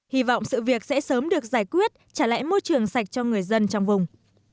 hi vọng sự việc sẽ sớm được giải quyết trả lẽ môi trường sạch cho người dân trong vùng